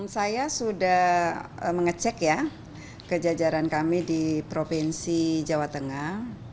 saya sudah mengecek ya kejajaran kami di provinsi jawa tengah